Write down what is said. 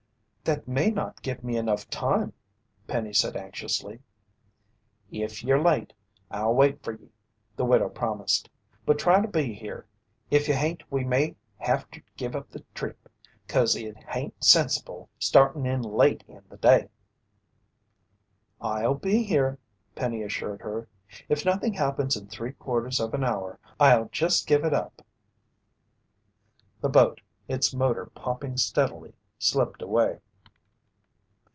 "That may not give me enough time," Penny said anxiously. "If yer late, I'll wait fer ye," the widow promised. "But try to be here. If ye hain't we may havter give up the trip, 'cause it hain't sensible startin' in late in the day." "I'll be here," Penny assured her. "If nothing happens in three quarters of an hour, I'll just give it up." The boat, it's motor popping steadily, slipped away.